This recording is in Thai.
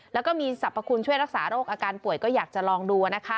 แล้วก็มีสรรพคุณช่วยรักษาโรคอาการป่วยก็อยากจะลองดูนะคะ